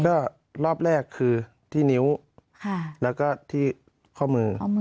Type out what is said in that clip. ก็รอบแรกคือที่นิ้วแล้วก็ที่ข้อมือ